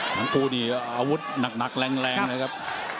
ของกูเนี่ยอาวุธหนักแรงนะครับ